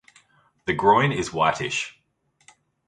The groin is whitish.